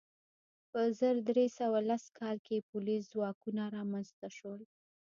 په زر درې سوه لس کال کې پولیس ځواکونه رامنځته شول.